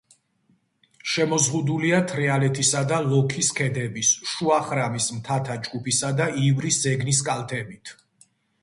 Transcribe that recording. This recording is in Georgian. შემოზღუდულია თრიალეთისა და ლოქის ქედების, შუა ხრამის მთათა ჯგუფისა და ივრის ზეგნის კალთებით.